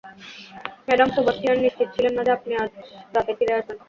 Madam Sebastian নিশ্চিত ছিলেন না যে আপনি আজ রাতে ফিরে আসবেন।